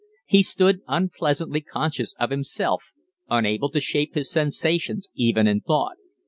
He stood unpleasantly conscious of himself, unable to shape his sensations even in thought.